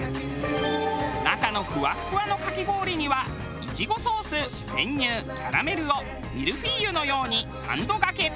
中のフワッフワのかき氷にはいちごソース練乳キャラメルをミルフィーユのように３度がけ。